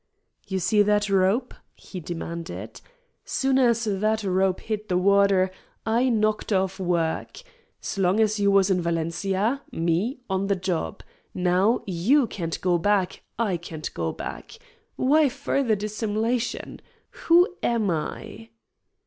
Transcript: "You see that rope?" he demanded. "Soon as that rope hit the water I knocked off work. S'long as you was in Valencia me, on the job. Now, YOU can't go back, I can't go back. Why further dissim'lation? WHO AM I?"